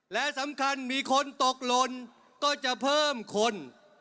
และสำคัญมีคนตกหล่นก็จะเพิ่มคน